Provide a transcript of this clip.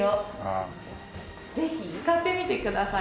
ぜひつかってみてください。